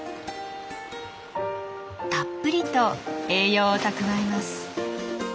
たっぷりと栄養を蓄えます。